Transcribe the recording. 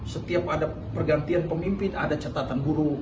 setiap ada pergantian pemimpin ada catatan buruk